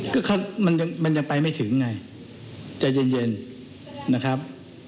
ก็มันยังไปไม่ถึงไงใจเย็นนะครับ